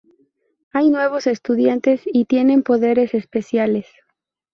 Hay nuevos estudiantes y tienen poderes especiales.